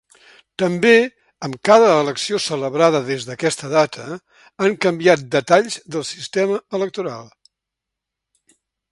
També, amb cada elecció celebrada des d'aquesta data han canviat detalls del sistema electoral.